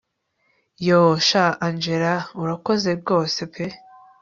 yoooh shn angella urakoze rwose pe